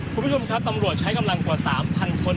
คุณผู้ชมครับตำรวจใช้กำลังกว่า๓๐๐คน